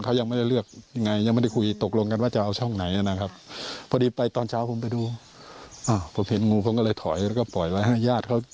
เขายังไม่ได้เลือกยังไงยังไม่ได้คุย